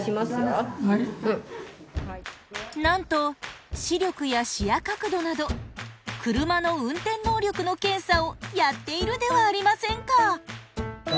なんと視力や視野角度など車の運転能力の検査をやっているではありませんか！